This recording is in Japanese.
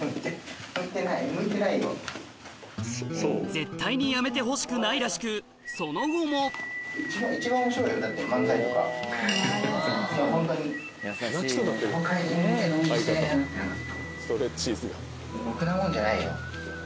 絶対にやめてほしくないらしくその後もろくなもんじゃないよ。